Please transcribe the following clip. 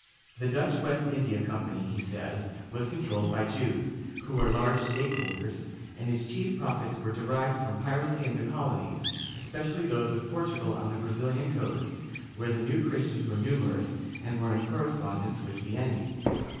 The Dutch West India Company, he says, was controlled by Jews, who were large stockholders, and its chief profits were derived from piracy in the colonies, especially those of Portugal on the Brazilian coast, where the New Christians were numerous and were in correspondence with the enemy.